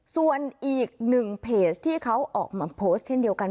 ส่วนอีกหนึ่งเพจที่เขาออกมาโพสต์เช่นเดียวกัน